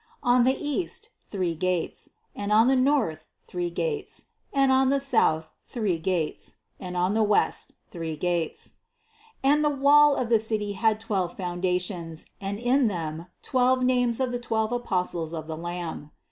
13. On the east, three gates; and on the north, three gates ; and on the south, three gates ; and on the west, three gates. 14. And the wall of the city had twelve founda tions, and in them, the twelve names of the twelve apostles of the Lamb.